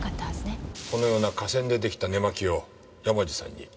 このような化繊で出来た寝間着を山路さんに。